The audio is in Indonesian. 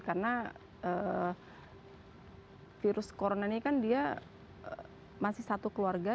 karena virus corona ini kan dia masih satu keluarga